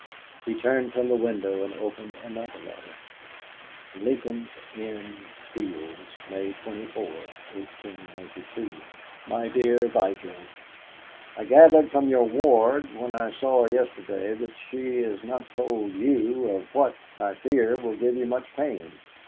He turned from the window, and opened another letter. "LINCOLN'S INN FIELDS, "May 24, 1892. "MY DEAR VIGIL, "I gathered from your ward when I saw her yesterday that she has not told you of what, I fear, will give you much pain.